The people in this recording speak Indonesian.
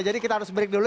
jadi kita harus berik dulu